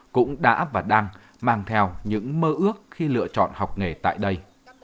cũng đã và đang mang theo những mơ ước khi lựa chọn học nghề tại đây